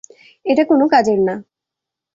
এটা কোন কাজের না।